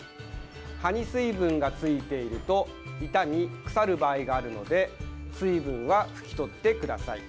葉に水分がついていると傷み腐る場合があるので水分は拭き取ってください。